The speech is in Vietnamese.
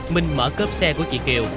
minh mở cốp xe của chị kiều